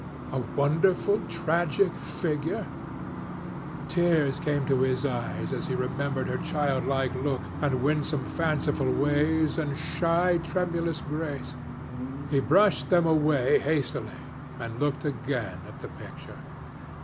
A wonderful tragic figure? Tears came to his eyes as he remembered her childlike look, and winsome fanciful ways, and shy tremulous grace. He brushed them away hastily and looked again at the picture.